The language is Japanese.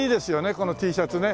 このＴシャツね。